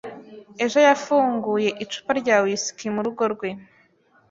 Ejo yafunguye icupa rya whiski murugo rwe.